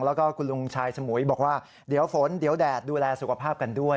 แล้วก็คุณลุงชายสมุยบอกว่าเดี๋ยวฝนเดี๋ยวแดดดูแลสุขภาพกันด้วย